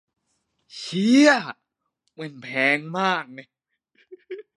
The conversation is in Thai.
เชี่ย แว่น แพงมาก แน่ะ